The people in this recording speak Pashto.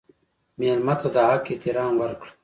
مېلمه ته د حق احترام ورکړه.